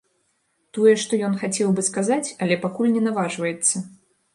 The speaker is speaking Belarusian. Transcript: Тое, што ён хацеў бы сказаць, але пакуль не наважваецца.